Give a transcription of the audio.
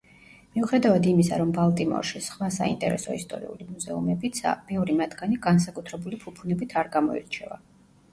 მიუხედავად იმისა რომ ბალტიმორში სხვა საინტერესო ისტორიული მუზეუმებიცაა, ბევრი მათგანი განსაკუთრებული ფუფუნებით არ გამოირჩევა.